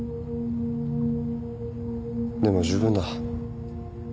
でも十分だ。